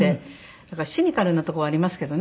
だからシニカルなところはありますけどね。